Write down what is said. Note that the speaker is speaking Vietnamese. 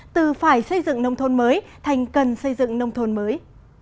từ phải xây dựng nông thôn mới thành cần xây dựng nông thôn mới